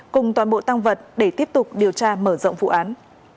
cùng toàn bộ tăng vật để tiếp tục điều tra mở rộng vụ án